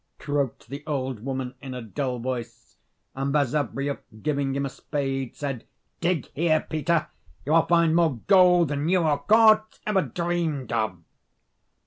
croaked the old woman, in a dull voice: and Basavriuk, giving him a spade, said, "Dig here, Peter: you will find more gold than you or Korzh ever dreamed of."